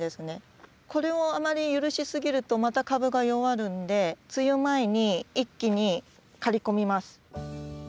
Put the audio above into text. これをあまり許し過ぎるとまた株が弱るんで梅雨前に一気に刈り込みます。